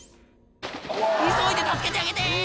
急いで助けてあげて！